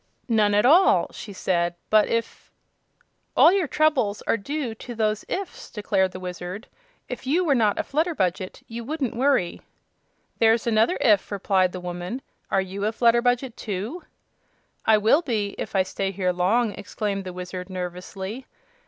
"None at all," she said; "but if " "All your troubles are due to those 'ifs'," declared the Wizard. "If you were not a Flutterbudget you wouldn't worry." "There's another 'if'," replied the woman. "Are you a Flutterbudget, too?" "I will be, if I stay here long," exclaimed the Wizard, nervously.